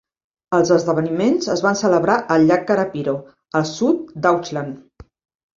Els esdeveniments es van celebrar al llac Karapiro, al sud d'Auckland.